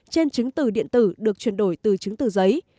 trên chứng tử điện tử được chuyển đổi từ chứng tử giấy